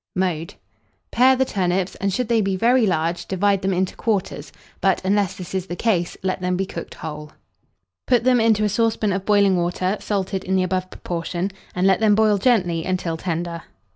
Mode. Pare the turnips, and, should they be very large, divide them into quarters; but, unless this is the case, let them be cooked whole. Put them into a saucepan of boiling water, salted in the above proportion, and let them boil gently until tender.